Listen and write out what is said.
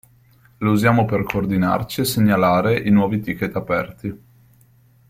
Lo usiamo per coordinarci e segnalare i nuovi ticket aperti.